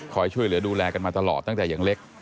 ช่วยเหลือดูแลกันมาตลอดตั้งแต่ยังเล็ก